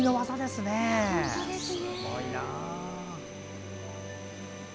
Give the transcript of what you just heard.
すごいな。